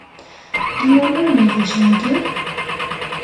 Imamanmi rishanki?